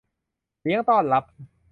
เลี้ยงต้อนรับ